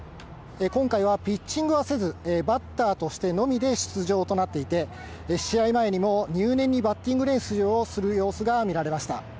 今回はピッチングはせず、バッターとしてのみで出場となっていて、試合前にも入念にバッティング練習する様子が見られました。